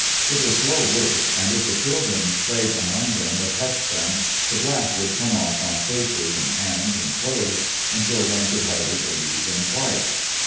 It was slow work, and if the children played among them or touched them, the black would come off on faces and hands and clothes, until one could hardly believe them white.